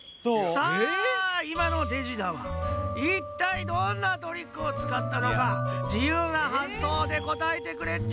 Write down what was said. さあいまの手品はいったいどんなトリックをつかったのかじゆうなはっそうでこたえてくれっち。